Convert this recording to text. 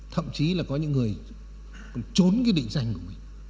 thậm chí là có những người trốn cái định danh của mình